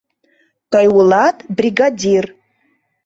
Тый улат бригадир...